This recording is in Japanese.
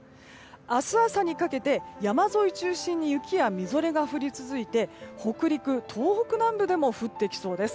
明日朝にかけて、山沿いを中心に雪やみぞれが降り続いて北陸、東北南部でも降ってきそうです。